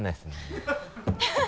ハハハ